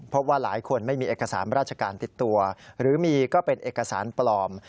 เพราะว่าหลายคนไม่มีเอกสารราชการติดตัวหรือมีก็เป็นเอกสารปลอม